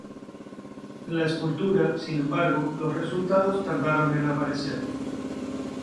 En la escultura, sin embargo, los resultados tardaron en aparecer.